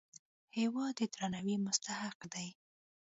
هېواد د درناوي مستحق دی.